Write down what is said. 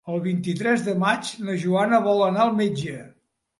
El vint-i-tres de maig na Joana vol anar al metge.